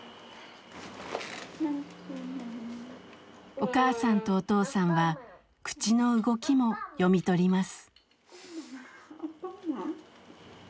お母さんとお父さんは口の動きも読み取ります。